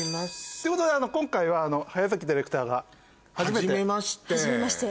ということで今回は早崎ディレクターが初めて。はじめまして。